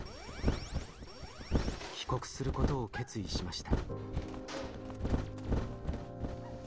帰国することを決意しました。